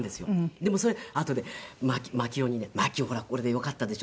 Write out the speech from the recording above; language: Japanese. でもそれあとで真紀夫にね「真紀夫ほらこれでよかったでしょ？」